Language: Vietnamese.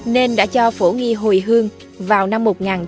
nên đã cho phổ nghi hồi hương vào năm một nghìn chín trăm bảy mươi